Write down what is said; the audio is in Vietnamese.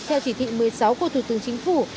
theo chỉ thị một mươi sáu của thủ tướng chính phủ